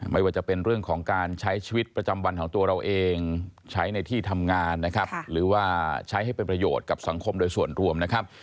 ไม่ว่าจะเป็นเรื่องของการใช้ชีวิตประจำวันของตัวเราเองใช้ในที่ทำงานนะครับหรือว่าใช้ให้เป็นประโยชน์กับสังคมโดยส่วนรวมนะครับ